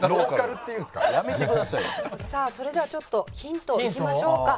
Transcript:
さあそれではちょっとヒントいきましょうか。